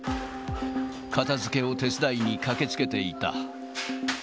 片づけを手伝いに駆けつけていた。